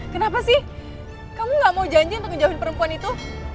kenapa sih kamu gak mau janji untuk menjauhin perempuan itu